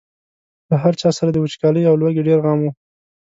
له هر چا سره د وچکالۍ او لوږې ډېر غم و.